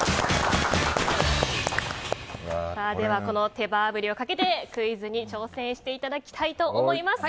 この手羽あぶりをかけてクイズに挑戦していただきたいと思います。